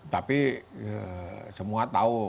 tapi semua tahu